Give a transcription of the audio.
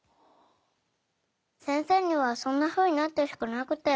先生にはそんなふうになってほしくなくて。